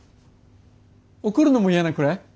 怒るのも嫌なくらい？